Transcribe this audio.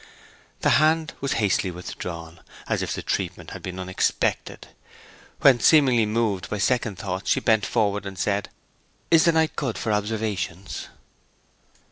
The hand was hastily withdrawn, as if the treatment had been unexpected. Then seemingly moved by second thoughts she bent forward and said, 'Is the night good for observations?'